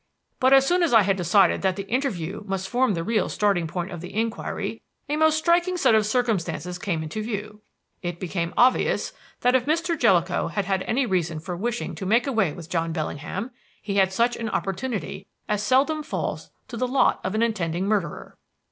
"But as soon as I had decided that that interview must form the real starting point of the inquiry, a most striking set of circumstances came into view. It became obvious that if Mr. Jellicoe had had any reason for wishing to make away with John Bellingham, he had such an opportunity as seldom falls to the lot of an intending murderer.